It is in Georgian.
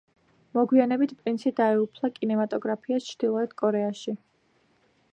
მოგვიანებით პრინცი დაეუფლა კინემატოგრაფიას ჩრდილოეთ კორეაში.